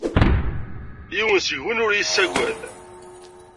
Yiwen seg-wen ur iyi-yessaggad.